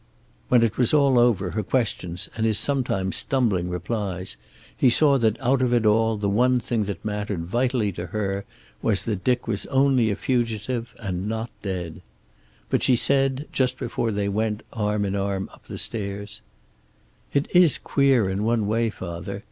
When it was all over, her questions and his sometimes stumbling replies, he saw that out of it all the one thing that mattered vitally to her was that Dick was only a fugitive, and not dead. But she said, just before they went, arm in arm, up the stairs: "It is queer in one way, father.